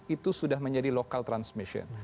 itu sudah menjadi local transmission